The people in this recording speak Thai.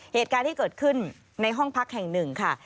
เหตุการณ์ที่เกิดขึ้นในห้องพักแห่งหนึ่งค่ะ